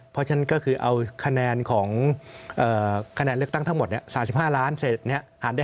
เพราะฉะนั้นก็คือเอาคะแนนเลขตั้งทั้งหมด๓๕ล้านเสร็จหารได้๕๐๐